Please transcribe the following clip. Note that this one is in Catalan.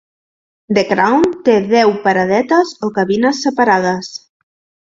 The Crown té deu paradetes o cabines separades.